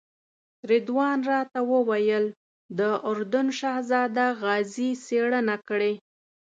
رضوان راته وویل د اردن شهزاده غازي څېړنه کړې.